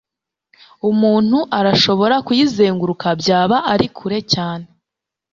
Umuntu arashobora kuyizenguruka Byaba ari kure cyane